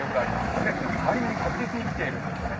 季節の変わり目が確実にきているんですね。